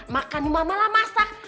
makan nih mamalah masak